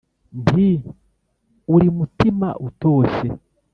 nti "uri mutima utoshye